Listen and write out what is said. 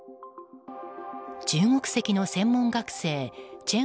中国籍の専門学生チェン